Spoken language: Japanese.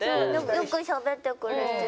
よくしゃべってくれてる。